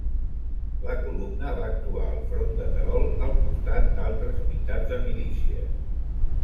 La columna va actuar al front de Terol al costat d'altres unitats de milícies.